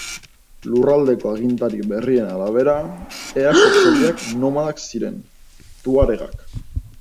Lurraldeko agintari berrien arabera, erasotzaileak nomadak ziren, tuaregak.